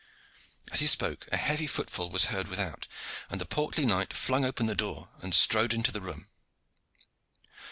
As he spoke, a heavy footfall was heard without, and the portly knight flung open the door and strode into the room.